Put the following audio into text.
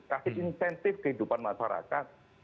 kasih insentif kehidupan masyarakat